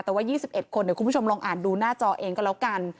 แต่ว่า๒๑คนเดี๋ยวคุณผู้ชมลองอ่านดูหน้าจอเองก็แล้วกัน